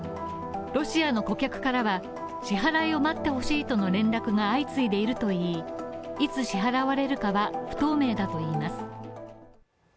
ロシアの顧客からは、支払いを待ってほしいとの連絡が相次いでいるといいいつ支払われるかは不透明だといいます。